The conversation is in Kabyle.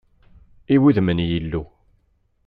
I wuddem n Yillu!